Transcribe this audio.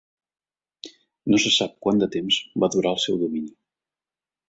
No se sap quant de temps va durar el seu domini.